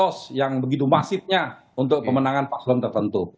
dan juga kasus yang begitu masifnya untuk pemenangan paksulun tertentu